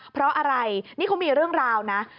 เพราะอะไรนี่เขามีเรื่องราวนะ